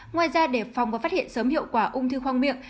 ngoài ra để phòng và phát hiện sớm hiệu quả ung thư khoang miệng